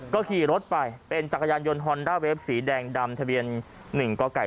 ก็ขี่รถไปเป็นจักรยานยนต์ฮอนด้าเวฟสีแดงดำทะเบียน๑กไก่